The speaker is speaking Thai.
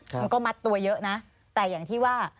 มันก็มัดตัวเยอะนะแต่อย่างที่ว่า